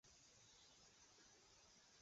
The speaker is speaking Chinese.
为住居表示实施区域。